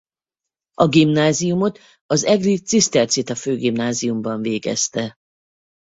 A gimnáziumot az egri cisztercita főgimnáziumban végezte.